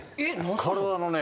体のね。